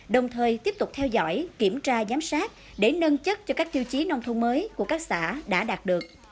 đồng thời tiếp tục theo dõi kiểm tra giám sát để nâng chất cho các tiêu chí nông thôn mới của các xã đã đạt được